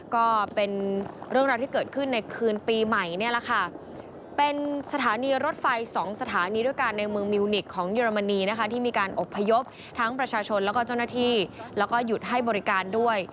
ก็เป็นเรื่องราวที่เกิดขึ้นในคืนปีใหม่เนี่ยแหละค่ะเป็นสถานีรถไฟ๒สถานีด้วยกันในเมืองมิวนิกของเยอรมนีนะคะที่มีการอบพยพทั้งประชาชนแล้วก็เจ้าหน้าที่แล้วก็หยุดให้บริการด้วย